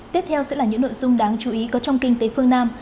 tiếp theo sẽ là những nội dung đáng chú ý có trong kinh tế phương nam